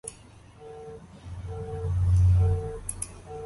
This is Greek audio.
έως το τέλος του αρχαίου κόσμου.